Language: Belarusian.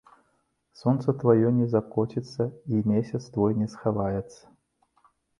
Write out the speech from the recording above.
Сонца тваё не закоціцца, і месяц твой не схаваецца.